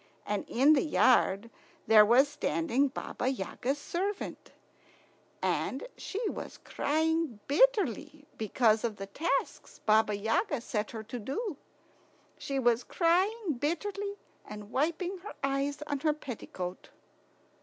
And in the yard there was standing Baba Yaga's servant, and she was crying bitterly because of the tasks Baba Yaga set her to do. She was crying bitterly and wiping her eyes on her petticoat.